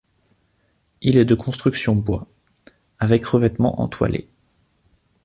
Il est de construction bois, avec revêtement entoilé.